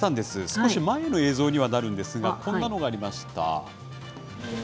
少し前の映像にはなるんですが、こんなのがありました。